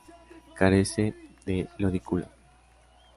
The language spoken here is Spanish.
Carece de lodículas.